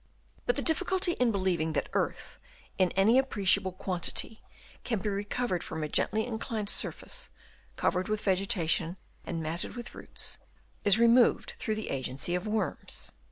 But the difficulty in believing that earth in any appreciable quantity can be removed from a gently in clined surface, covered with vegetation and matted with roots, is removed through the agency of \ worms.